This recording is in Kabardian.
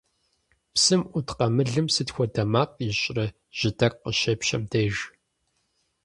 Псым Ӏут къамылым сыт хуэдэ макъ ищӀрэ жьы тӀэкӀу къыщепщэм деж?